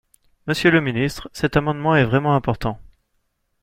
Monsieur le ministre, cet amendement est vraiment important.